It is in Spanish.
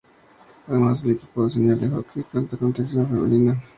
Además del equipo senior de hockey, cuenta con sección femenina y categorías inferiores.